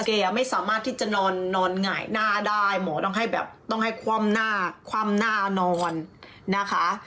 แกไม่สามารถที่จะนอนหงายหน้าได้หมอต้องให้แบบต้องให้คว่ำหน้าคว่ำหน้านอนนะคะ